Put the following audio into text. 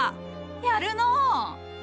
やるのう！